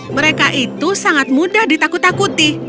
mereka itu sangat mudah ditakut takuti